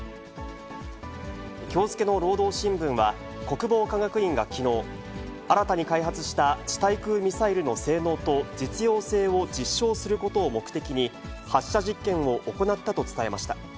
きょう付けの労働新聞は、国防科学院がきのう、新たに開発した地対空ミサイルの性能と実用性を実証することを目的に、発射実験を行ったと伝えました。